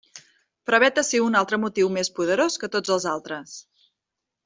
Però vet ací un altre motiu més poderós que tots els altres.